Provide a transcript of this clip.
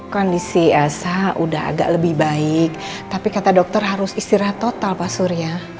kondisi elsa sudah agak lebih baik tapi kata dokter harus istirahat total pak surya